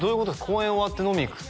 公演終わって飲みに行く？